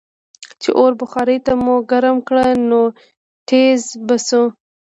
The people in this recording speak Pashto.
چې اور بخارۍ ته مو ګرم کړ نو ټیزززز به شو.